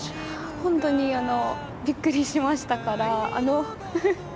本当にびっくりしましたから。